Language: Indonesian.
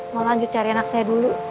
mau lanjut cari anak saya dulu